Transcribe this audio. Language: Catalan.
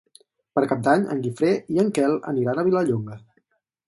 Per Cap d'Any en Guifré i en Quel aniran a Vilallonga.